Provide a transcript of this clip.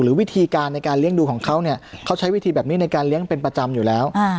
วิธีการในการเลี้ยงดูของเขาเนี่ยเขาใช้วิธีแบบนี้ในการเลี้ยงเป็นประจำอยู่แล้ว